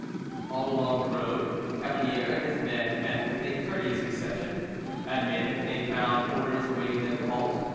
All along the road Cavalier and his men met with a courteous reception; at Macon they found orders awaiting them to halt.